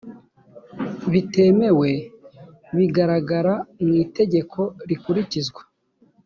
bitemewe bigaragara mu itegeko rikurikizwa